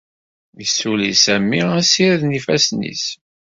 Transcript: Yessuli Sami asired n yifassen-is.